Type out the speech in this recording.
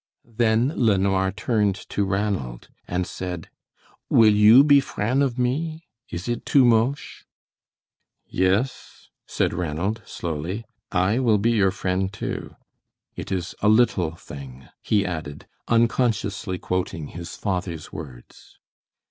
Then LeNoir turned to Ranald, and said; "Will you be frien' of me? Is it too moche?" "Yes," said Ranald, slowly, "I will be your friend, too. It is a little thing," he added, unconsciously quoting his father's words.